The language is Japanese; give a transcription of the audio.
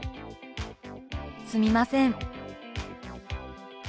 「すみません」。